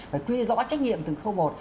phải quy rõ trách nhiệm từng khâu một